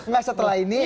nah setelah ini